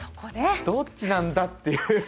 どっちなんだっていう。